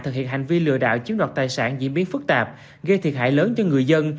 thực hiện hành vi lừa đảo chiếm đoạt tài sản diễn biến phức tạp gây thiệt hại lớn cho người dân